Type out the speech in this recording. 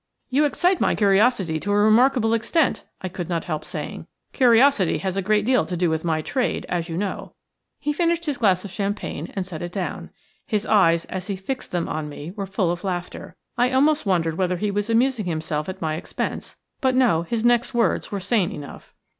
"You excite my curiosity to a remarkable extent," I could not help saying. "Curiosity has a great deal to do with my trade, as you know." He finished his glass of champagne and set it down. His eyes, as he fixed them on me, were full of laughter. I almost wondered whether he was amusing himself at my expense; but no, his next words were sane enough.